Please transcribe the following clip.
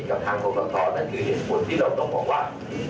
กับทางกรกตนั่นคือเหตุผลที่เราต้องบอกว่า